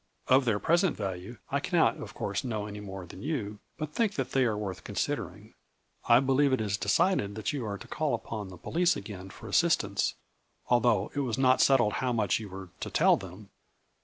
Of their present value I cannot of course know any more than you, but think that they are worth considering. I believe it is de cided that you are to call upon the police again for assistance, although it was not settled how much you were to tell them.